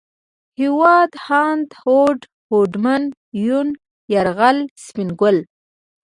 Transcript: هېواد ، هاند ، هوډ ، هوډمن ، يون ، يرغل ، سپين ګل